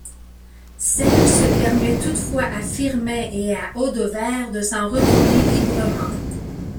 Celce permet toutefois à Firmin et à Audovaire de s’en retourner librement.